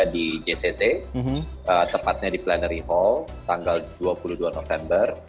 jadi jcc tepatnya di plenary hall tanggal dua puluh dua november